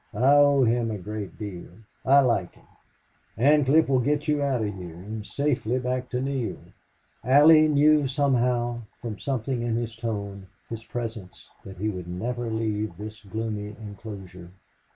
"I owe him a great deal. I like him... Ancliffe will get you out of here and safely back to Neale." Allie knew somehow from something in his tone, his presence that he would never leave this gloomy inclosure.